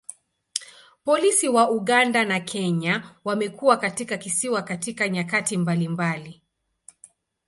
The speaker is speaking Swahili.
Polisi wa Uganda na Kenya wamekuwa katika kisiwa katika nyakati mbalimbali.